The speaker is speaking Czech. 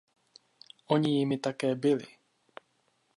A oni jimi také byli.